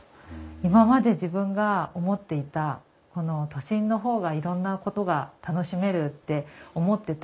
今まで自分が思っていた都心の方がいろんなことが楽しめるって思ってた。